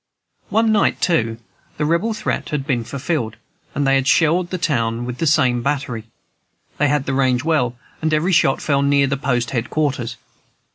One night, too, the Rebel threat had been fulfilled, and they had shelled the town with the same battery. They had the range well, and every shot fell near the post headquarters.